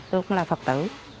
tôi cũng là phật tử